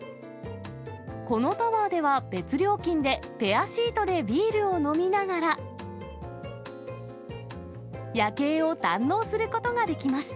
このタワーでは、別料金で、ペアシートでビールを飲みながら、夜景を堪能することができます。